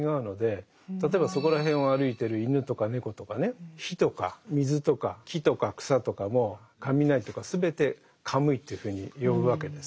例えばそこら辺を歩いてる犬とか猫とかね火とか水とか木とか草とかもかみなりとか全てカムイというふうに呼ぶわけです。